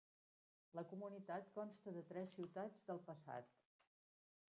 La comunitat consta de tres ciutats del passat.